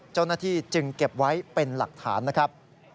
เจ้าหน้าที่จึงเก็บไว้เป็นหลักฐานนะครับ